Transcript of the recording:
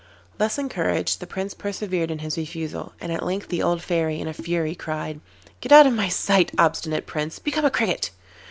Thus encouraged, the Prince persevered in his refusal, and at length the old Fairy in a fury cried: 'Get out of my sight, obstinate Prince. Become a Cricket!